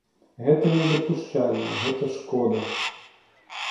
Гэта недапушчальна, гэта шкода.